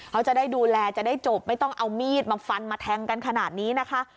เขาจะได้ดูแลจะได้จบไม่ต้องเอามีดมาฟันมาแทงกันขนาดนี้นะคะ